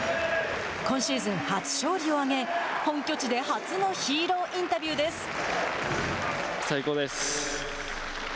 今シーズン初勝利を挙げ本拠地で初のヒーローインタビューです。